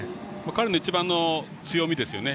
彼の一番の強みですよね